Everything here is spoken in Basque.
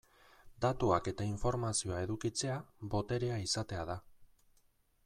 Datuak eta informazioa edukitzea, boterea izatea da.